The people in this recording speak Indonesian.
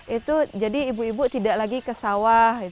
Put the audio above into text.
itu jadi ibu ibu tidak lagi ke sawah